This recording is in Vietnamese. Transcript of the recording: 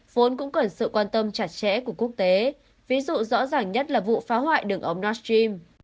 vốn cũng cần sự quan tâm chặt chẽ của quốc tế ví dụ rõ ràng nhất là vụ phá hoại đường ống livestream